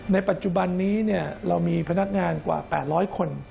ในปัจจุบันนี้เรามีพนักงานกว่า๘๐๐คน